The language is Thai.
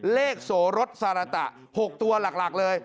เลขโสรสาระตะ๖ตัวหลักเลย